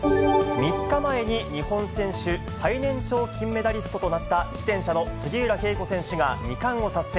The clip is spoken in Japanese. ３日前に日本選手最年長金メダリストとなった自転車の杉浦佳子選手が２冠を達成。